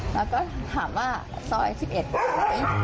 เราก็ถามว่าซอยที่เอ็ดอะไร